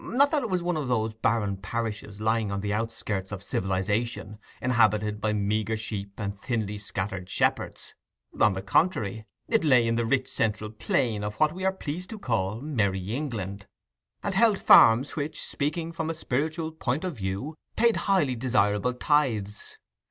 Not that it was one of those barren parishes lying on the outskirts of civilization—inhabited by meagre sheep and thinly scattered shepherds: on the contrary, it lay in the rich central plain of what we are pleased to call Merry England, and held farms which, speaking from a spiritual point of view, paid highly desirable tithes.